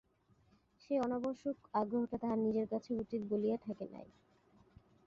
সেই অনাবশ্যক আগ্রহটা তাহার নিজের কাছে উচিত বলিয়া ঠেকে নাই।